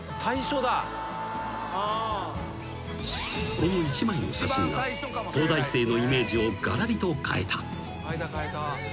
［この一枚の写真が東大生のイメージをがらりと変えた］